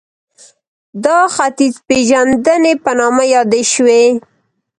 دا ختیځپېژندنې په نامه یادې شوې